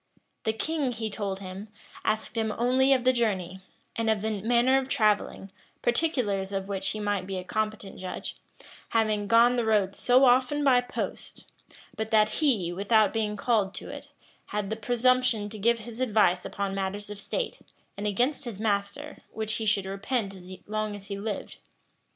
The king, he told him, asked him only of the journey, and of the manner of travelling; particulars of which he might be a competent judge, having gone the road so often by post; but that he, without being called to it, had the presumption to give his advice upon matters of state, and against his master, which he should repent as long as he lived.